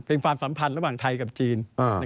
เป็นความสัมพันธ์ระหว่างไทยกับจีน